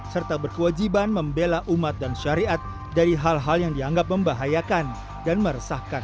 serta berkewajiban membela umat dan syariat dari hal hal yang dianggap membahayakan dan meresahkan